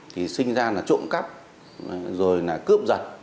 thì sinh ra trộm cắp rồi là cướp giật